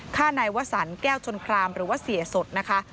ฆ่านายวสันแก้วชนครามหรือว่าเสียสดนะคะ